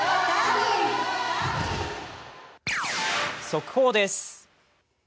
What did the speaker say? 速報です。